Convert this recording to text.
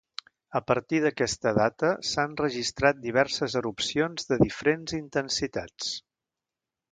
A partir d'aquesta data, s'han registrat diverses erupcions de diferents intensitats.